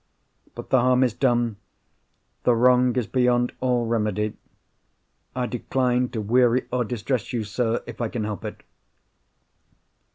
But the harm is done; the wrong is beyond all remedy. I decline to weary or distress you, sir, if I can help it.